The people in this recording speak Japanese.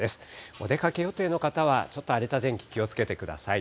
お出かけ予定の方は、ちょっと荒れた天気、気をつけてください。